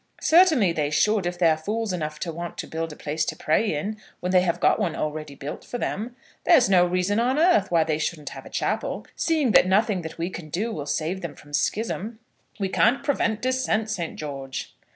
"Certainly they should, if they're fools enough to want to build a place to pray in, when they have got one already built for them. There's no reason on earth why they shouldn't have a chapel, seeing that nothing that we can do will save them from schism." "We can't prevent dissent, Saint George."